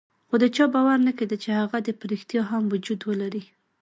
خو د چا باور نه کېده چې هغه دې په ريښتیا هم وجود ولري.